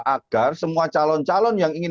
agar semua calon calon yang ingin